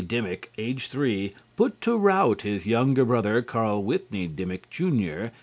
Dimmik, age three, put to rout his younger brother, Carl Withney Dimmik, Jr.